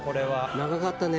長かったね。